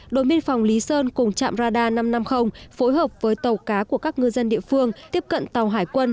đội biên phòng lý sơn cùng trạm radar năm trăm năm mươi phối hợp với tàu cá của các ngư dân địa phương tiếp cận tàu hải quân